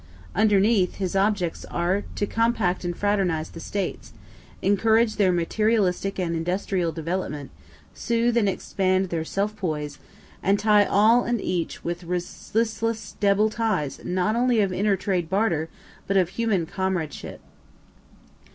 Underneath, his objects are to compact and fraternize the States, encourage their materialistic and industrial development, soothe and expand their self poise, and tie all and each with resistless double ties not only of inter trade barter, but human comradeship.